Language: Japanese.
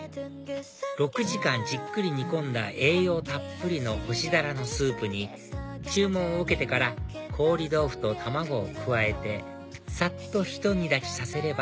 ６時間じっくり煮込んだ栄養たっぷりの干しダラのスープに注文を受けてから凍り豆腐と卵を加えてさっとひと煮立ちさせれば